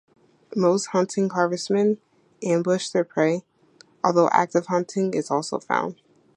Most hunting harvestmen ambush their prey, although active hunting is also found.